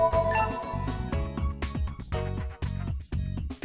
tạm biệt quý vị